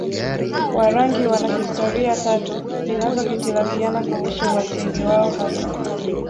Warangi wana historia tatu zinazohitilafiana kuhusu uasili wao hasa